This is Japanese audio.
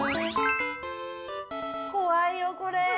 怖いよ、これ。